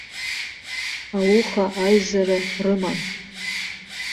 Ауха аизара рыман.